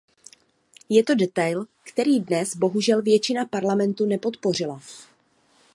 Je to detail, který dnes bohužel většina Parlamentu nepodpořila.